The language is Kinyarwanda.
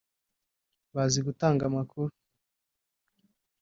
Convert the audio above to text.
bazi gutanga amakuru